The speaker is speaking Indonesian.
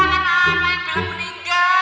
inna yang meninggal